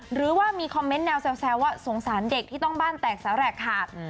หรือว่ามีคอมเมนต์แนวแซวว่าสงสารเด็กที่ต้องบ้านแตกสาแหลกขาด